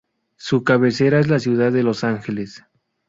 Su cabecera es la ciudad de Los Ángeles.